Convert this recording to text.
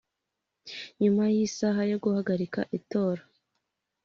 nyuma y isaha yo guhagarika itora